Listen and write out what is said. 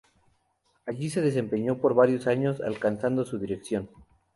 Allí se desempeñó por varios años, alcanzado su dirección.